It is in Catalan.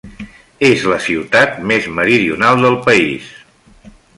És la ciutat més meridional del país.